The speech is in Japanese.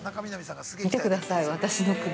見てください、私の首。